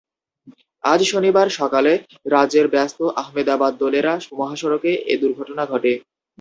আজ শনিবার সকালে রাজ্যের ব্যস্ত আহমেদাবাদ দোলেরা মহাসড়কে এ দুর্ঘটনা ঘটে।